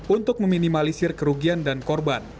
untuk meminimalisir kerugian dan korban